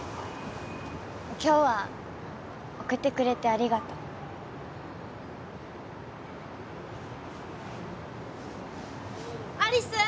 今日は送ってくれてありがとう有栖！